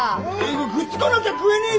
くっつかなきゃ食えねえでしょ！？